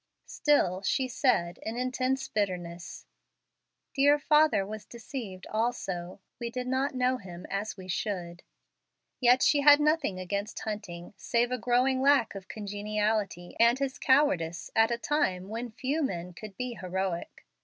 Still, she said, in intense bitterness, "Dear father was deceived also. We did not know him as we should." Yet she had nothing against Hunting, save a growing lack of congeniality and his cowardice at a time when few men could be heroic.